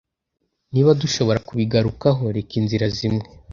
Niba dushobora kubigarukaho, reba inzira zimwe